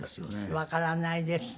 わからないですね